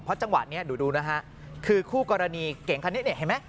เพราะจังหวะนี้ดูคือคู่กรณีเก่งคันนี้เห็นไหม